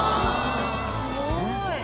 すごい。